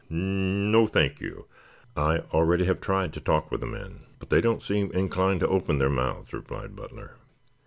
"No, thank you. I already have tried to talk with the men, but they don't seem inclined to open their mouths," replied Butler.